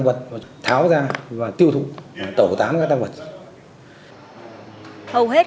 và đều là đối tượng nghiệp